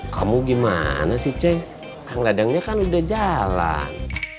kamu gimana sih ceng kang dadangnya kan udah jalan